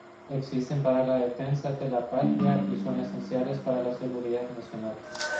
Existen para la defensa de la patria y son esenciales para la seguridad nacional.